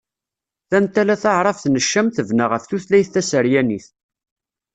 Tantala taɛrabt n Ccam tebna ɣef tutlayt taseryanit.